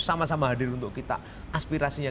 sama sama hadir untuk kita aspirasinya